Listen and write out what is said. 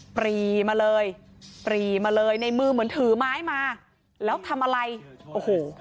ปรีมาเลยปรีมาเลยในมือเหมือนถือไม้มาแล้วทำอะไรโอ้โห